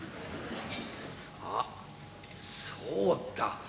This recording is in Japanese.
あっそうだ。